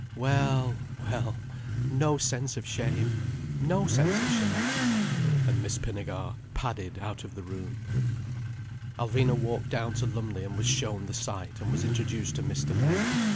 Well, well—no sense of shame—no sense of shame—" And Miss Pinnegar padded out of the room. Alvina walked down to Lumley and was shown the site and was introduced to Mr. May.